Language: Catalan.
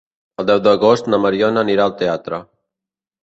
El deu d'agost na Mariona anirà al teatre.